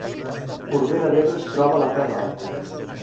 Corbera d’Ebre es troba a la Terra Alta